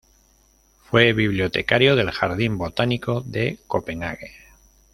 Fue bibliotecario del Jardín Botánico de Copenhague.